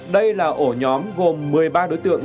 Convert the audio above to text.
đây là ổ nhóm gồm một mươi ba đối tượng